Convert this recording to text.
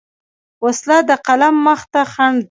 وسله د قلم مخ ته خنډ ده